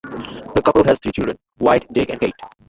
The couple has three children; Wyatt, Jake and Kate.